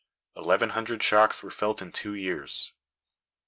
Eleven hundred shocks were felt in two years.